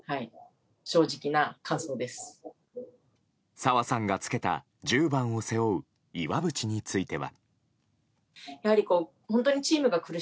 澤さんがつけた１０番を背負う岩渕については。